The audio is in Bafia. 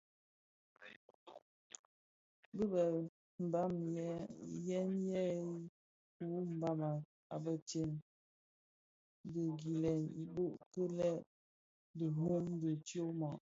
Bë bi Mbam yèn yè yi muu mbam a begsè dhi gilèn ibouk ki lè di mum dhi tyoma.